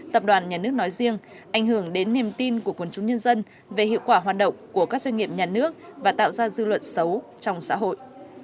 tập đoàn nhà nước nói riêng ảnh hưởng đến niềm tin của quần chúng nhân dân về hiệu quả hoạt động của các doanh nghiệp nhà nước và tạo ra dư luận xấu trong xã hội